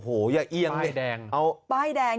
โอ้อย่าเอียง